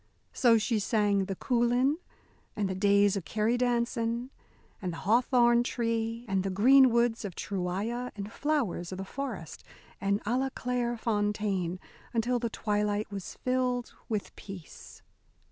So she sang "The Coulin," and "The Days o' the Kerry Dancin'," and "The Hawthorn Tree," and "The Green Woods of Truigha," and "Flowers o' the Forest," and "A la claire Fontaine," until the twilight was filled with peace.